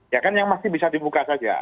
ya kan yang masih bisa dibuka saja